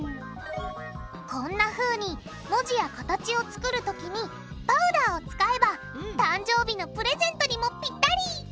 こんなふうに文字や形を作るときにパウダーを使えば誕生日のプレゼントにもぴったり！